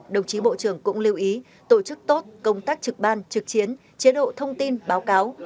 đồng chí bộ trưởng cũng lưu ý tổ chức tốt công tác trực ban trực chiến chế độ thông tin báo cáo